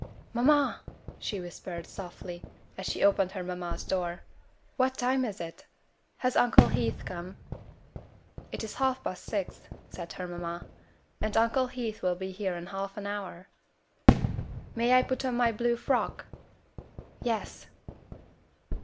"Mamma," she whispered, softly, as she opened her mamma's door, "what time is it? Has Uncle Heath come?" "It is half past six," said her mamma, "and Uncle Heath will be here in half an hour." "May I put on my blue frock?" "Yes."